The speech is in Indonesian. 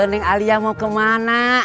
neng alia mau kemana